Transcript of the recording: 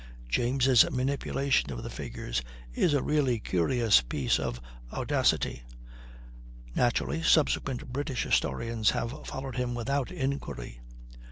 James' manipulation of the figures is a really curious piece of audacity. Naturally, subsequent British historians have followed him without inquiry.